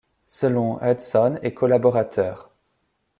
Selon Hudson et al.